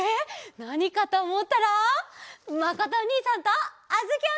なにかとおもったらまことおにいさんとあづきおねえさんだ！